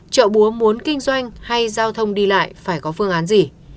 chợ búa muốn kinh doanh hay giao thông đi lại phải có phương án gì